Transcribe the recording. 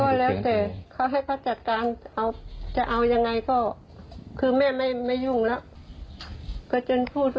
จะเอายังไงก็คือไม่ยุ่งแล้ว